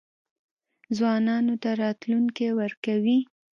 ځوانانو ته راتلونکی ورکوي.